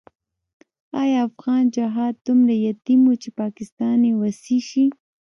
آیا افغان جهاد دومره یتیم وو چې پاکستان یې وصي شي؟